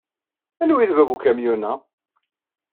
Anwa ay d bab n ukamyun-a?